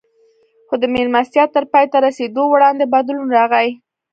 خو د مېلمستیا تر پای ته رسېدو وړاندې بدلون راغی